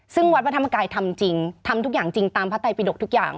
ซึ่งวัดพระธรรมกายทำจริงทำทุกอย่างจริงตามพระไตปิดกทุกอย่าง